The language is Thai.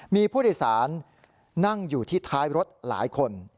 มีผู้โดยสารนั่งอยู่ที่ท้ายรถหลายคน